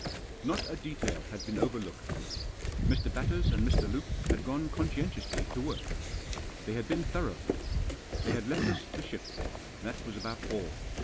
Not a detail had been overlooked. Mr. Batters and Mr. Luke had gone conscientiously to work. They had been thorough. They had left us the ship. That was about all.